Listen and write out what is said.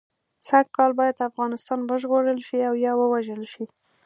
سږ کال باید افغانستان وژغورل شي او یا ووژل شي.